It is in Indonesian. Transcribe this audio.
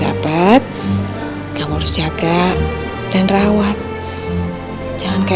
dan itu yang membuat dia tidak sadarkan diri